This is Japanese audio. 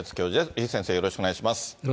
李先生、よろしくお願いします。